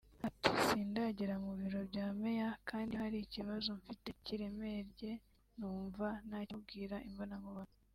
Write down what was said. Ati” Sindagera mu biro bya Meya kandi iyo hari ikibazo mfite kiremerye numva nakimubwira imbonankubone